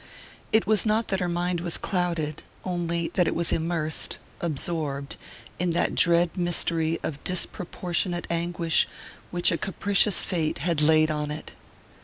It was not that her mind was clouded only that it was immersed, absorbed, in that dread mystery of disproportionate anguish which a capricious fate had laid on it....